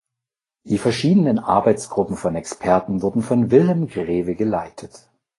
Die verschiedenen Arbeitsgruppen von Experten wurden von Wilhelm Grewe geleitet.